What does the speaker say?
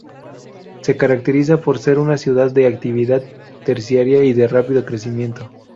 Se caracteriza por ser una ciudad de actividad terciaria y de rápido crecimiento.